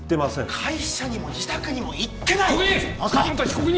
会社にも自宅にも行ってない被告人！